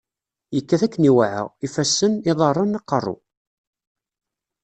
yekkat akken iweɛa, ifassen, iḍaren, aqeṛṛu.